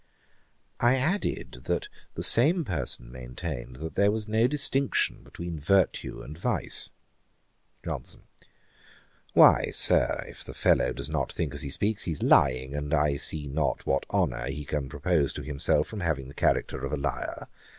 I added, that the same person maintained that there was no distinction between virtue and vice. JOHNSON. 'Why, Sir, if the fellow does not think as he speaks, he is lying; and I see not what honour he can propose to himself from having the character of a lyar.